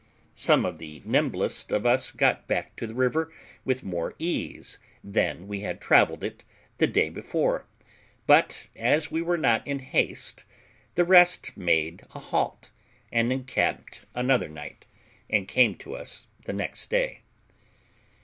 Some of the nimblest of us got back to the river with more ease than we had travelled it the day before; but, as we were not in haste, the rest made a halt, encamped another night, and came to us the next day.